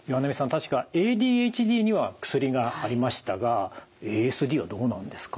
確かＡＤＨＤには薬がありましたがＡＳＤはどうなんですか？